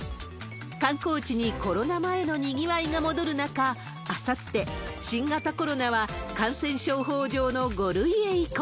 観光地にコロナ前のにぎわいが戻る中、あさって、新型コロナは感染症法上の５類へ移行。